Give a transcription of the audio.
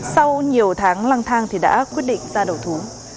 sau nhiều tháng lăng thang thì đã quyết định ra đầu thú